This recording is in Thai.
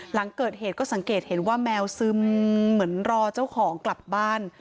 หลังเกิดเหตุก็สังเกตเห็นว่าแมวซึมเหมือนรอเจ้าของกลับบ้าน